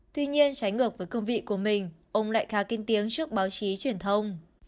tuy nhiên trái ngược với công vị của mình ông lại khá kiên tiếng trước báo chí truyền thông